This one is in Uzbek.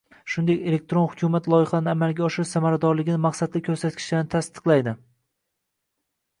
shuningdek elektron hukumat loyihalarini amalga oshirish samaradorligining maqsadli ko‘rsatkichlarini tasdiqlaydi.